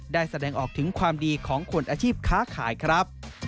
แสดงออกถึงความดีของคนอาชีพค้าขายครับ